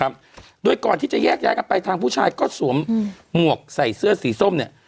โดยก่อนที่จะแยกย้ายกันไปทางผู้ชายก็สวมหมวกใส่เสื้อสีส้มเนี่ย